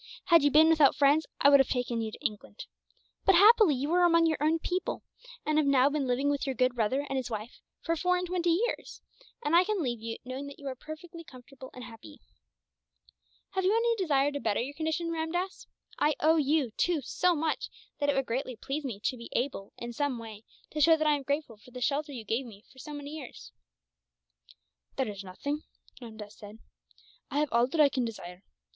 Had you been without friends, I would have taken you to England. But happily you are among your own people, and have now been living with your good brother and his wife for four and twenty years; and I can leave you, knowing that you are perfectly comfortable and happy. "Have you any desire to better your condition, Ramdass? I owe you, too, so much that it would greatly please me to be able, in some way, to show that I am grateful for the shelter you gave me for so many years." "There is nothing," Ramdass said. "I have all that I can desire.